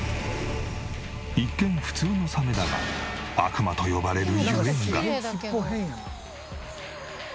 一見普通のサメだが悪魔と呼ばれるゆえんが。